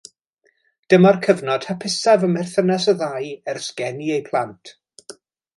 Dyma'r cyfnod hapusaf ym mherthynas y ddau ers geni eu plant